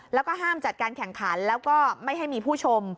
แล้วก็ห้ามจัดการแข่งขันแล้วก็ไม่ให้มีผู้ชม